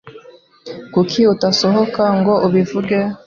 Kuki utasohoka ngo ubivuge?